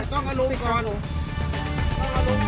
ขอเชิญลุงนี้ดีกว่าไม่ยอมลงรถ